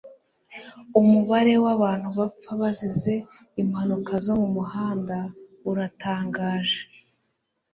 Umubare wabantu bapfa bazize impanuka zo mumuhanda uratangaje